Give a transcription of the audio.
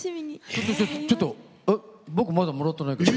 ちょっとちょっと僕まだもらってないけど。